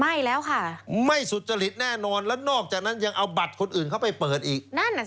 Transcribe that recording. ไม่แล้วค่ะไม่สุจริตแน่นอนแล้วนอกจากนั้นยังเอาบัตรคนอื่นเข้าไปเปิดอีกนั่นน่ะสิ